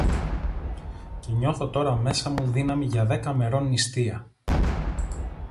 Και νιώθω τώρα μέσα μου δύναμη για δέκα μερών νηστεία.